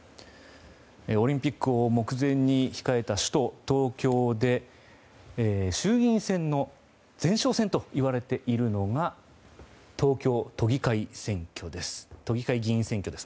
オリンピックを目前に控えた首都・東京で衆議院選挙の前哨戦といわれているのが東京都議会議員選挙です。